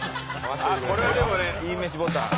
これはでもねいいめしボタン。